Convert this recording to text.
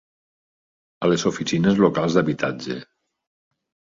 A les oficines locals d'habitatge.